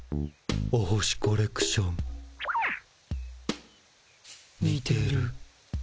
お星コレクション。にてる。